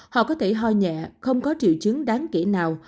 họ có thể ho nhẹ không có triệu chứng đáng kể nào